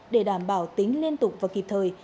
để đảm bảo tính liên tục và kịp thời